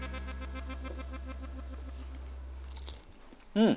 うん！